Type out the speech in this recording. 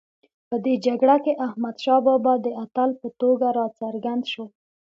په دې جګړه کې احمدشاه بابا د اتل په توګه راڅرګند شو.